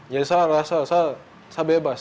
jadi saya rasa saya bebas